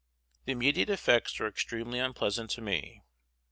The immediate effects are extremely unpleasant to me.